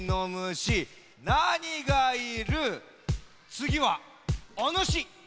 つぎはおぬし。